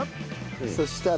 そうしたら。